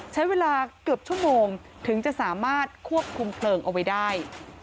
ใช้เวลาเกือบชั่วโมงถึงจะสามารถควบคุมเพลิงเอาไว้ได้